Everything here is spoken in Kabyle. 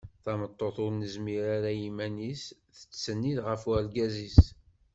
Tameṭṭut ur nezmir ara i yiman-is tettsennid ɣef urgaz-is.